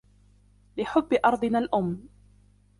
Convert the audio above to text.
لحب أرضنا الأم،